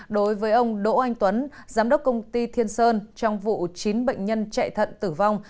đối với ông đỗ anh tuấn giám đốc công ty thiên sơn trong vụ chín bệnh nhân chạy thận tử vong